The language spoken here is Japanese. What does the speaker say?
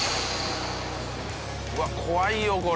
うわっ怖いよこれ。